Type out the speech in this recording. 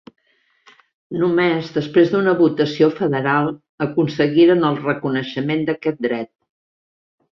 Només després d'una votació federal aconseguiren el reconeixement d'aquest dret.